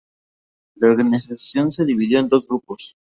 La organización se dividió en dos grupos.